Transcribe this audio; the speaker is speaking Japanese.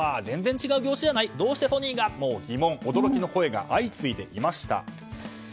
全然違う業種じゃないどうしてソニーが？と疑問の声が相次いでいました。